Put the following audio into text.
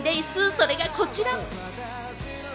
それがこちら！